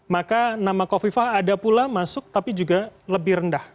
maka nama kofifah ada pula masuk tapi juga lebih rendah